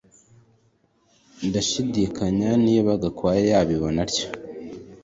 Ndashidikanya niba Gakwaya yabibona atyo